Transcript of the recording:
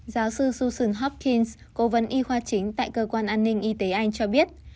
giáo sư susan hopkins cố vấn y khoa chính tại cơ quan an ninh y tế anh cho biết